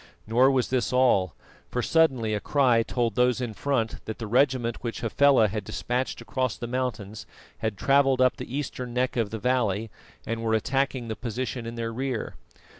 Nor was this all, for suddenly a cry told those in front that the regiment which Hafela had despatched across the mountains had travelled up the eastern neck of the valley, and were attacking the position in their rear.